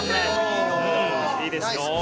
うんいいですよ。